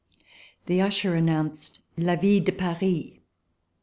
The usher announced: "La ville de Paris!"